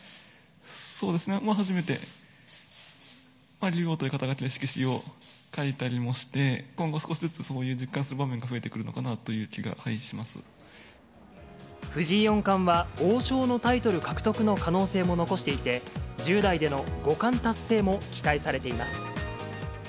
そうですね、初めて竜王という肩書で、色紙を書いたりもして、今後、少しずつ、そういう実感する場面が増えてくるのかなぁという気が、はい、藤井四冠は、王将のタイトル獲得の可能性も残していて、１０代での五冠達成も期待されています。